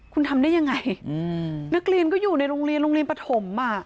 คุณทำได้ยังไงนักเรียนก็อยู่ในโรงเรียนโรงเรียนปฐม